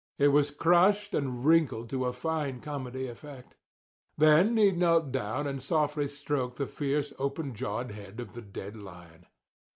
It was crushed and wrinkled to a fine comedy effect. Then he knelt down and softly stroked the fierce, open jawed head of the dead lion.